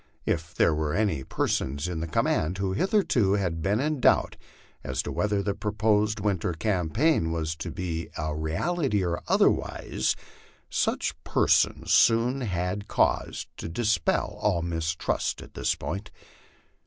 If there were any persons in the command who hitherto had been in doubt as to whether the proposed winter campaign was to be a reality or otherwise, such persons soon had cause to dis pel all mistrust on this point.